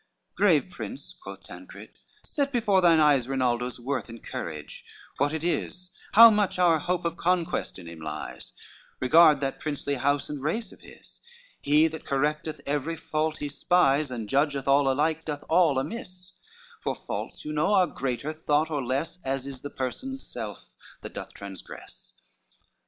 XXXVI "Great Prince," quoth Tancred; "set before thine eyes Rinaldo's worth and courage what it is, How much our hope of conquest in him lies; Regard that princely house and race of his; He that correcteth every fault he spies, And judgeth all alike, doth all amiss; For faults, you know, are greater thought or less, As is the person's self that doth transgress."